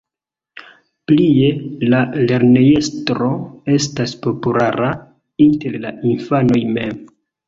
Plie, la lernejestro estas populara inter la infanoj mem.